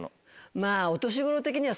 まぁお年頃的には。